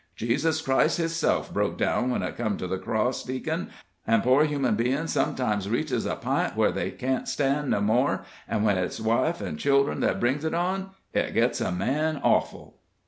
Jesus Christ hissef broke down when it come to the cross, deac'n, an' poor human bein's sometimes reaches a pint where they can't stan' no more, an' when its wife an' children that brings it on, it gits a man awful."